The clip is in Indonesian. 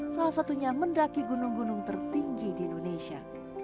salah satunya mendaki gunung gunung tertinggi di indonesia